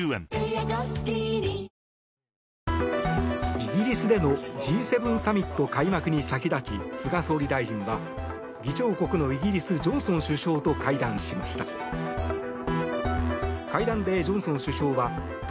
イギリスでのＧ７サミット開幕に先立ち菅総理大臣は議長国のイギリスジョンソン首相と会談しました。